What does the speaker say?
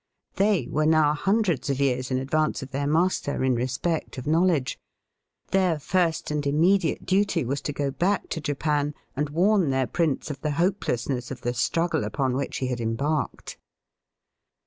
They were now hundreds of years in advance of their master in respect of knowledge. Their first and im mediate duty was to go back to Japan and warn their prince of the hopelessness of the struggle upon which he had embarked.